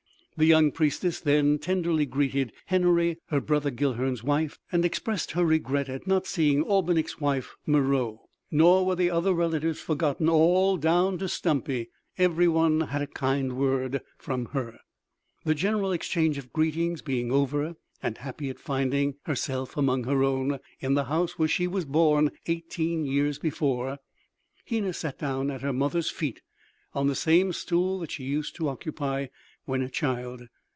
The young priestess then tenderly greeted Henory, her brother Guilhern's wife, and expressed her regret at not seeing Albinik's wife Meroë. Nor were the other relatives forgotten; all, down to Stumpy, otherwise everyone's butt, had a kind word from her. The general exchange of greetings being over, and happy at finding herself among her own, in the house where she was born eighteen years before, Hena sat down at her mother's feet on the same stool that she used to occupy when a child.